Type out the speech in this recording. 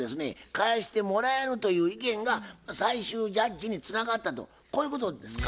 返してもらえるという意見が最終ジャッジにつながったとこういうことですか。